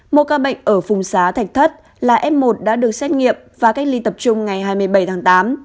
một ca bệnh ở phùng xá thạch thất là f một đã được xét nghiệm và cách ly tập trung ngày hai mươi bảy tháng tám